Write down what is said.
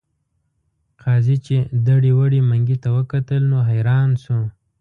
قاضي چې دړې وړې منګي ته وکتل نو حیران شو.